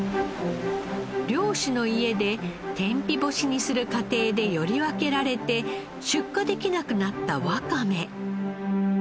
漁師の家で天日干しにする過程でより分けられて出荷できなくなったワカメ。